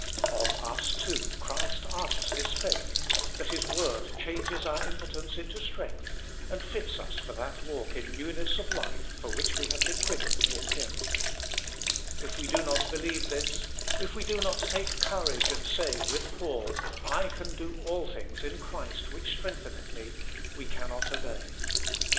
Of us, too, Christ asks this faith, that His word changes our impotence into strength, and fits us for that walk in newness of life for which we have been quickened in Him. If we do not believe this, if we will not take courage and say, with Paul, " I can do all things in Christ, which 102 THE MINISTRY OF INTERCESSION strengtheneth me," we cannot obey.